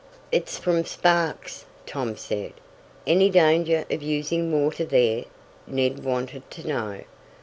"It's from sparks!" Tom said. "Any danger of using water there?" Ned wanted to know.